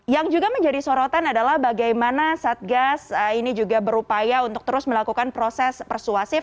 yang juga menjadi sorotan adalah bagaimana satgas ini juga berupaya untuk terus melakukan proses persuasif